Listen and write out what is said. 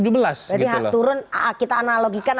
berarti turun kita analogikan